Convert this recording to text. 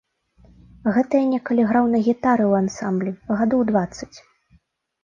Гэта я некалі граў на гітары ў ансамблі, гадоў дваццаць.